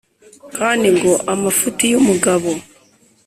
kandi ngo amafuti y’umugabo